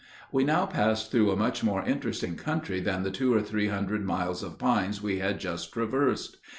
We now passed through a much more interesting country than the two or three hundred miles of pines we had just traversed.